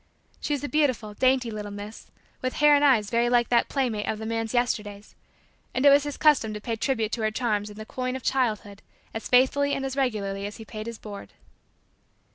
She was a beautiful, dainty, little miss with hair and eyes very like that playmate of the man's Yesterdays and it was his custom to pay tribute to her charms in the coin of childhood as faithfully and as regularly as he paid his board.